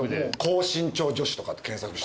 「高身長女子」とかって検索して。